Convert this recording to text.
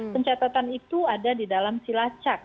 pencatatan itu ada di dalam silacak